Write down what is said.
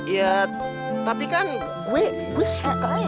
ya tapi kan gue suka lo